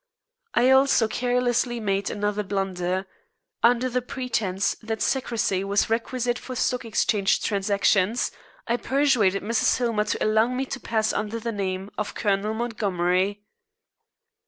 I also carelessly made another blunder. Under the pretence that secrecy was requisite for Stock Exchange transactions, I persuaded Mrs. Hillmer to allow me to pass under the name of Colonel Montgomery.